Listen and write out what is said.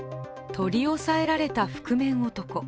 取り押さえられた覆面男。